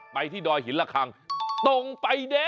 ไปที่ดอยหินระคังตรงไปเด้